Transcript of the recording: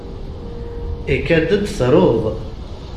Ikad-d truḍ.